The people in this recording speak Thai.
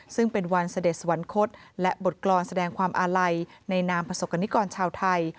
ซึ่งเป็นวันเสด็จสวรรคตและบทกรรมแสดงความอาลัยในนามประสบกรณิกรชาวไทย